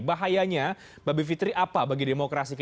bahayanya bapak fitri apa bagi demokrasi kita